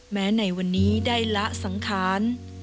ในวันนี้ได้ละสังขาร